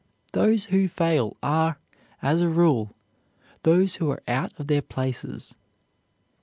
Those who fail are, as a rule, those who are out of their places.